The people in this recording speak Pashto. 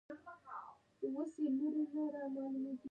خو هغه دباندې په تيږه کېناست.